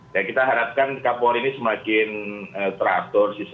dan kita harapkan kapolri ini semakin teratur